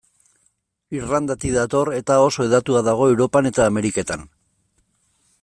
Irlandatik dator, eta oso hedatua dago Europan eta Ameriketan.